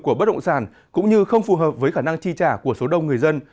của bất động sản cũng như không phù hợp với khả năng chi trả của số đông người dân